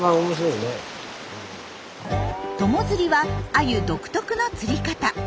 友釣りはアユ独特の釣り方。